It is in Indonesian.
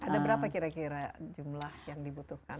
ada berapa kira kira jumlah yang dibutuhkan